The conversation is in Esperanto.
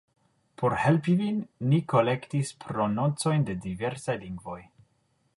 Por helpi vin, ni kolektis prononcojn de diversaj lingvoj.